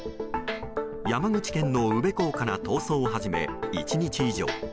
山口県の宇部港から逃走を始め１日以上。